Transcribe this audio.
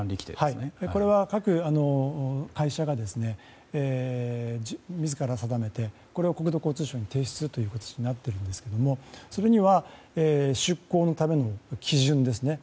これは各会社が自ら定めてこれを国土交通省に提出するという形になっているんですがそこには出航のための基準ですね。